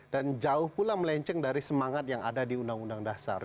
dan jauh pula melenceng dari semangat yang ada di undang undang dasar